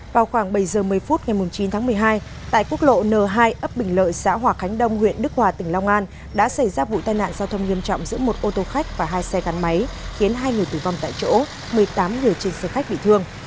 vào khoảng bảy giờ một mươi phút ngày chín tháng một mươi hai tại quốc lộ n hai ấp bình lợi xã hòa khánh đông huyện đức hòa tỉnh long an đã xảy ra vụ tai nạn giao thông nghiêm trọng giữa một ô tô khách và hai xe gắn máy khiến hai người tử vong tại chỗ một mươi tám người trên xe khách bị thương